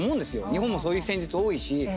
日本もそういう戦術多いし。